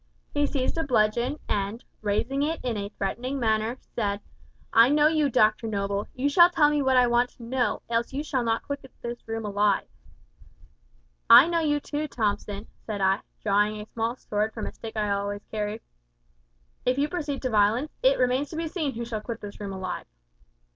He seized a bludgeon, and, raising it in a threatening manner, said, `I know you, Dr Noble; you shall tell me what I want to know, else you shall not quit this room alive.' "`I know you, too, Thomson,' said I, drawing a small sword from a stick which I always carried. `If you proceed to violence, it remains to be seen who shall quit this room alive.'